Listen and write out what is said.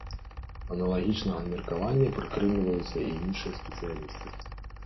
Аналагічнага меркавання прытрымліваюцца і іншыя спецыялісты.